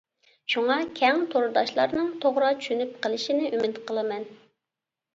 شۇڭا، كەڭ تورداشلارنىڭ توغرا چۈشىنىپ قىلىشىنى ئۈمىد قىلىمەن.